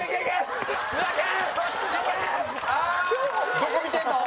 「どこ見てるの？」